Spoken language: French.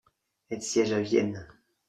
Elle siège à Vienne.